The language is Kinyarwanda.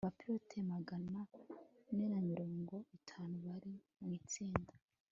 abapilote magana ane na mirongo itanu bari mu itsinda